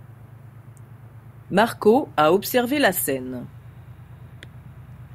Marco a observé la scène.